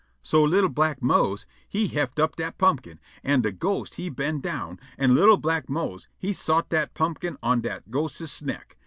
So li'l' black Mose he heft up dat pumpkin, an' de ghost he bend' down, an' li'l' black Mose he sot dat pumpkin on dat ghostses neck.